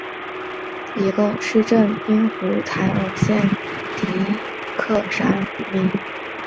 大韦内迪格山麓诺伊基兴是奥地利萨尔茨堡州滨湖采尔县的一个市镇。